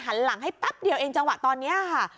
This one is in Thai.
หันหลังให้แป๊บเดียวเองจังหวะตอนนี้ค่ะ